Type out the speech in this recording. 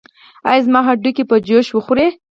ایا زما هډوکي به جوش وخوري؟